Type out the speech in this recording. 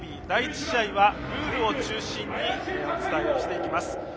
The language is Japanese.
第１試合はルールを中心にお伝えしていきます。